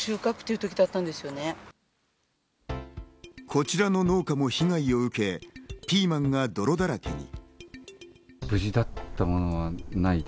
こちらの農家も被害を受け、ピーマンが泥だらけに。